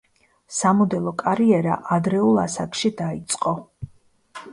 სამოდელო კარიერა ადრეულ ასაკში დაიწყო.